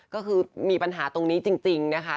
ก็คือมีปัญหาตรงนี้จริงนะคะ